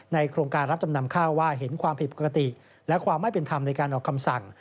โครงการรับจำนำข้าวว่าเห็นความผิดปกติและความไม่เป็นธรรมในการออกคำสั่ง